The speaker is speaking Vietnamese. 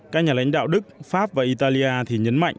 các nhà lãnh đạo đức pháp và italia thì nhấn mạnh